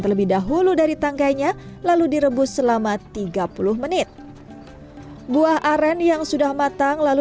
terlebih dahulu dari tangkainya lalu direbus selama tiga puluh menit buah aren yang sudah matang lalu